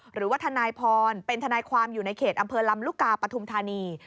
หรือว่าทนายพรเป็นทนายความอยู่ในเขตอำเภอลำลูกกาปฐุมธานี